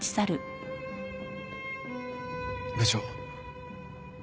部長。